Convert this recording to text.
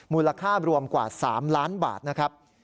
มูลค่ารวมกว่า๓ล้านบาทนะครับ